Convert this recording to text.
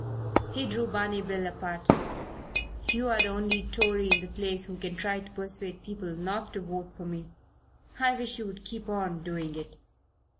He drew Barney Bill apart. "You're the only Tory in the place who can try to persuade people not to vote for me. I wish you would keep on doing it."